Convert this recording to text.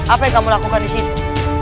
apa yang kamu lakukan disitu